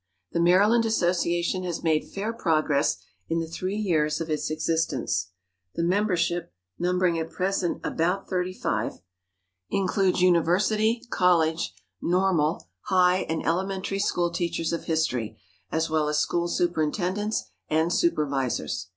The Maryland Association has made fair progress in the three years of its existence. The membership, numbering at present about thirty five, includes university, college, normal, high and elementary school teachers of history, as well as school superintendents and supervisors.